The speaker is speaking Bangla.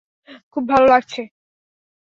খুব ভালো লাগছে।